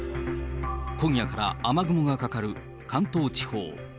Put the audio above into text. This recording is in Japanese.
今夜から雨雲がかかる関東地方。